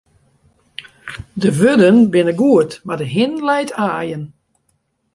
De wurden binne goed, mar de hin leit aaien.